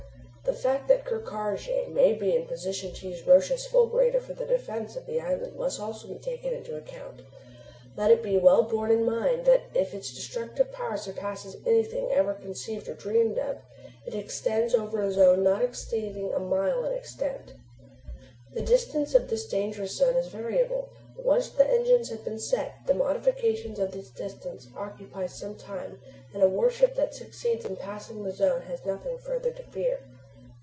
"The fact that Ker Karraje may be in the position to use Roch's fulgurator for the defence of the island must also be taken into consideration. Let it be well borne in mind that if its destructive power surpasses anything ever conceived or dreamed of, it extends over a zone not exceeding a mile in extent. The distance of this dangerous zone is variable, but once the engines have been set, the modification of the distance occupies some time, and a warship that succeeds in passing the zone has nothing further to fear.